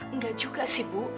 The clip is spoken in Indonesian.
enggak juga sih bu